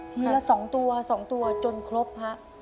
ทีละ๒ตัวจนครบค่ะ